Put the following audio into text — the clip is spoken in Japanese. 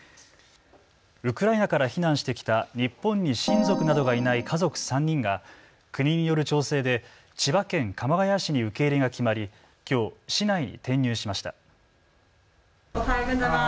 ウクライナから避難してきた日本に親族などがいない家族３人が国による調整で千葉県鎌ケ谷市に受け入れが決まりきょう市内に転入しました。